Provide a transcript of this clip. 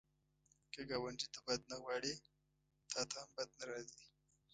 که ګاونډي ته بد نه غواړې، تا ته هم بد نه راځي